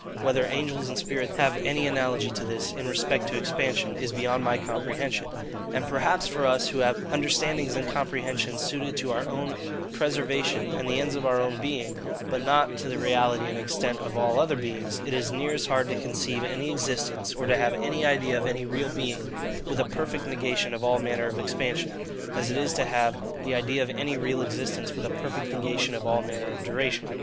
Whether angels and spirits have any analogy to this, in respect to expansion, is beyond my comprehension: and perhaps for us, who have understandings and comprehensions suited to our own preservation, and the ends of our own being, but not to the reality and extent of all other beings, it is near as hard to conceive any existence, or to have an idea of any real being, with a perfect negation of all manner of expansion, as it is to have the idea of any real existence with a perfect negation of all manner of duration.